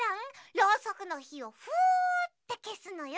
ろうそくのひをふってけすのよ。